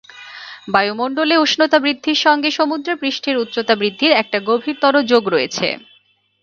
বায়ুমন্ডলে উষ্ণতা বৃদ্ধির সঙ্গে সমুদ্রের পৃষ্ঠের উচ্চতা বৃদ্ধির একটা গভীরতর যোগ রয়েছে।